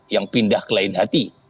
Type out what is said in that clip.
yang pindah ke lain hati